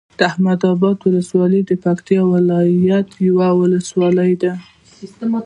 احمداباد ولسوالۍ د پکتيا ولايت یوه ولسوالی ده